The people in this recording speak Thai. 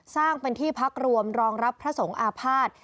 สร้างเป็นที่พักรวมรองรับพระสงฆ์อาภาษณ์